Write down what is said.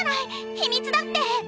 秘密だって！